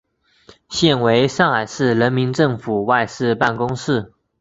现为上海市人民政府外事办公室。